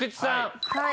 はい。